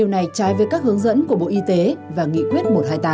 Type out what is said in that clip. ngày trái với các hướng dẫn của bộ y tế và nghị quyết một trăm hai mươi tám